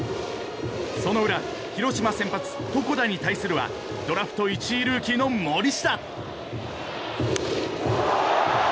その裏、広島先発床田に対するはドラフト１位ルーキーの森下。